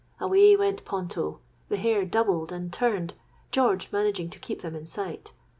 Away went Ponto—the hare doubled and turned—George managing to keep them in sight.